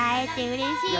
うれしい。